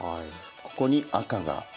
ここに赤が。